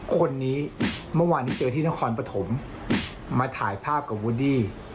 คนนี้เมื่อวานนี้เจอที่นครปฐมมาถ่ายภาพกับวูดดี้